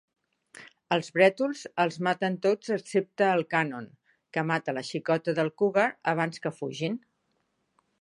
Els brètols els maten tots excepte el Cannon, que mata la xicota del Cougar abans que fugin.